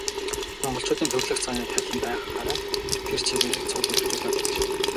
Монголчуудын төрөлх заяа тавилан нь байгаагаараа тэр чигтээ цул эрх чөлөө байж.